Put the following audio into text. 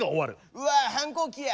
「うわ反抗期や！」